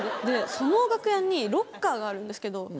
でその楽屋にロッカーがあるんですけど。